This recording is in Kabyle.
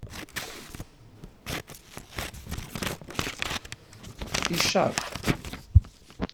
Icaṭ!